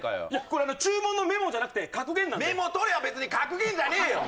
これ注文のメモじゃなくて格言なんでメモ取れよべつに格言じゃねえよ